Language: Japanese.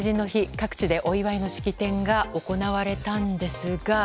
各地でお祝いの式典が行われたんですが。